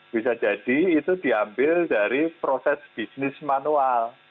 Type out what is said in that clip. bisa jadi itu diambil dari proses bisnis manual